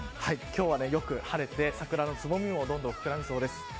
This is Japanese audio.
今日はよく晴れて桜のつぼみもどんどん膨らみそうです。